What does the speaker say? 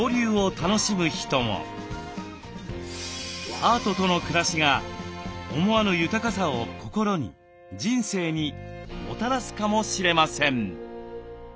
アートとの暮らしが思わぬ豊かさを心に人生にもたらすかもしれません。